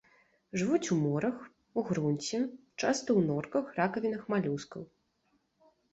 Жывуць у морах, у грунце, часта ў норках, ракавінах малюскаў.